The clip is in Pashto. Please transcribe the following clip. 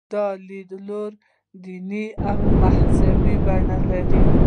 دا لیدلوری دیني او مذهبي بڼه لري.